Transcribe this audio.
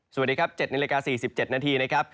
สวัสดีครับเจ็ดในเลยกา๔๗นาทีนะครับ